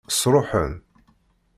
Sṛuḥen.